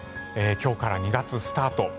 今日から２月スタート。